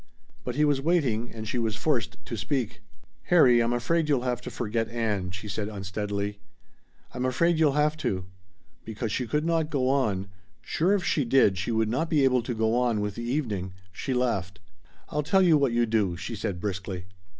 But he was waiting, and she was forced to speak. "Harry, I'm afraid you'll have to forget Ann," she said unsteadily. "I'm afraid you'll have to " Because she could not go on, sure if she did she would not be able to go on with the evening, she laughed. "I'll tell you what you do," she said briskly.